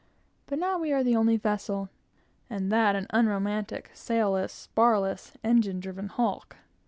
But now we are the only vessel, and that an unromantic, sail less, spar less, engine driven hulk!